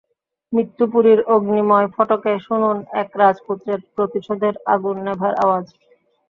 মৃত্যুপুরীর অগ্নিময় ফটকে শুনুন এক রাজপুত্রের প্রতিশোধের আগুন নেভার আওয়াজ।